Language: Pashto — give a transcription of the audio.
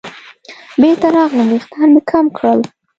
بېرته راغلم ویښتان مې کم کړل.